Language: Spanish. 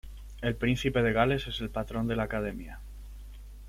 El Príncipe de Gales es el patrón de la academia.